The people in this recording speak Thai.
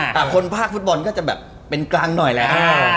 แต่คนภาคฟุตบอลก็จะแบบเป็นกลางหน่อยแล้ว